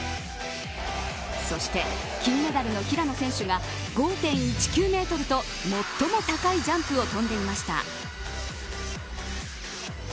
そして、金メダルの平野選手が５．１９メートルと最も高いジャンプをとんでいました。